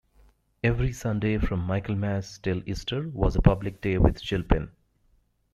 Every Sunday from Michaelmas till Easter was a public day with Gilpin.